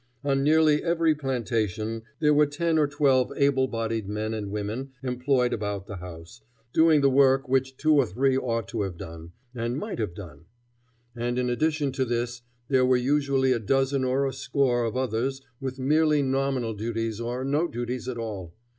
On nearly every plantation there were ten or twelve able bodied men and women employed about the house, doing the work which two or three ought to have done, and might have done; and in addition to this there were usually a dozen or a score of others with merely nominal duties or no duties at all.